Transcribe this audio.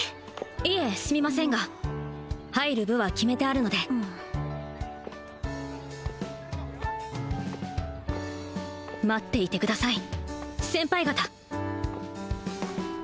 いえすみませんが入る部は決めてあるので待っていてください